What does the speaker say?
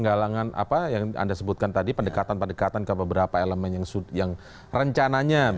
galangan apa yang anda sebutkan tadi pendekatan pendekatan ke beberapa elemen yang rencananya